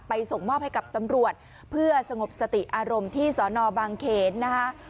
ส่งมอบให้กับตำรวจเพื่อสงบสติอารมณ์ที่สอนอบางเขนนะคะ